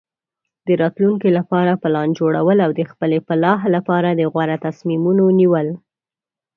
د راتلونکي لپاره پلان جوړول او د خپلې فلاح لپاره د غوره تصمیمونو نیول.